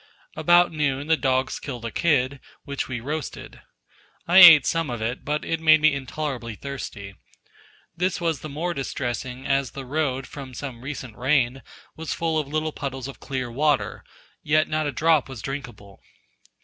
About noon the dogs killed a kid, which we roasted. I ate some of it, but it made me intolerably thirsty. This was the more distressing as the road, from some recent rain, was full of little puddles of clear water, yet not a drop was drinkable.